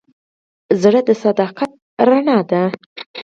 زړه د صداقت رڼا ده.